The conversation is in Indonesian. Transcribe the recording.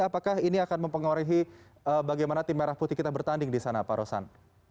apakah ini akan mempengaruhi bagaimana tim merah putih kita bertanding di sana pak rosan